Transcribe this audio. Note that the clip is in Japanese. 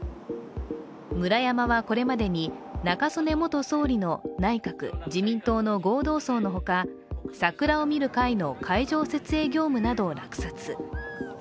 ムラヤマはこれまでに中曽根元総理の内閣自民党の合同葬のほか、桜を見る会の会場設営を落札。